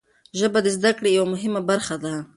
ژبه د زده کړې یوه مهمه برخه ده.